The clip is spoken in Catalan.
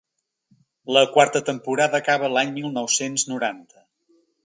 La quarta temporada acaba l’any mil nou-cents noranta.